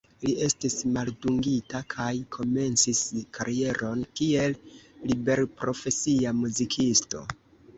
Li estis maldungita kaj komencis karieron kiel liberprofesia muzikisto.